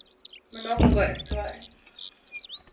Много горе ствари.